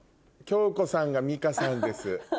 恭子さんが「美香さんです」。